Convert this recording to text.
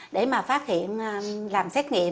để mà phát hiện làm xét nghiệm